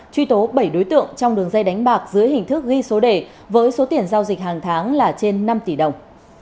truy tố bảy đối tượng trong đường dây đánh bạc dưới hình thức ghi số đề với số tiền giao dịch hàng tháng là trên năm tỷ đồng